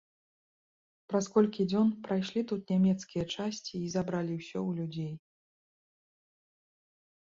Праз колькі дзён прайшлі тут нямецкія часці і забралі ўсё ў людзей.